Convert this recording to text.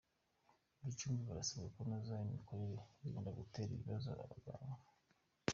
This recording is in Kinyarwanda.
Gicumbi Barasabwa kunoza imikorere birinda gutera ibibazo ababagana